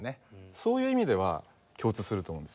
そういう意味では共通すると思うんですよ。